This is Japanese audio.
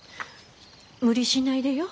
無理しないでよ。